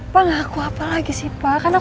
padahal dia yang menomor